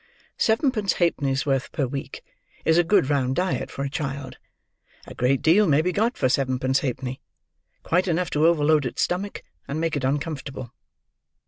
Sevenpence halfpenny's worth per week is a good round diet for a child; a great deal may be got for sevenpence halfpenny, quite enough to overload its stomach, and make it uncomfortable.